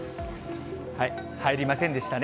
入りませんでしたね。